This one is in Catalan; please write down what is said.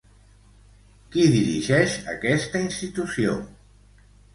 Qui dirigeix aquesta institució?